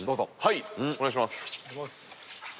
はいお願いします。